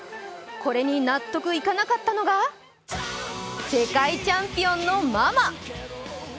これに納得いかなかったのが世界チャンピオンのママ。